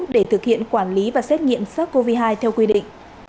để thực hiện quản lý và xét nghiệm sars cov hai theo quy định